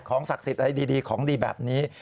ศักดิ์สิทธิ์อะไรดีของดีแบบนี้